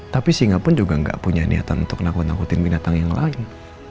tapi singa pun juga nggak punya niatan untuk nakut nakutin binatang yang lain